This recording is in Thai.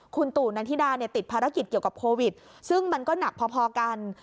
คุณตู่นันทิดาเนี่ยติดภารกิจเกี่ยวกับโควิดซึ่งมันก็หนักพอกัน